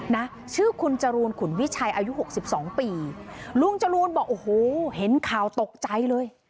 นะชื่อคุณจรูนขุนวิชัยอายุหกสิบสองปีลุงจรูนบอกโอ้โหเห็นข่าวตกใจเลย